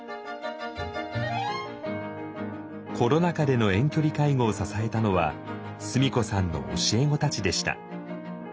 コロナ禍での遠距離介護を支えたのは須美子さんの教え子たちでした。